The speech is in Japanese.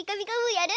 やる？